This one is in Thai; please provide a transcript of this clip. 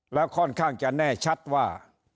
แล้วค่อนข้างจะแน่ชัดว่า